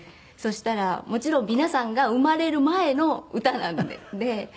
そしたらもちろん皆さんが生まれる前の歌なんで。